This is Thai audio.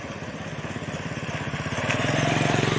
สวัสดีครับทุกคน